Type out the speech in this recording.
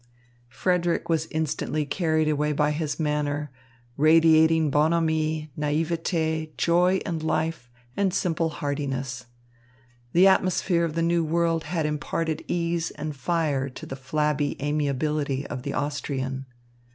Frederick was instantly carried away by his manner, radiating bonhomie, naïveté, joy in life, and simple heartiness. The atmosphere of the New World had imparted ease and fire to the flabby amiability of the Austrian.